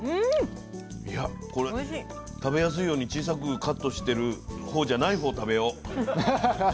いやこれ食べやすいように小さくカットしてる方じゃない方食べよう。